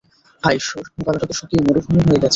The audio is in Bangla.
হায় ঈশ্বর, গলাটাতো শুকিয়ে মরুভূমি হয়ে গেছে।